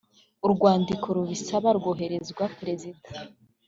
urwandiko rubisaba rwohererezwa perezida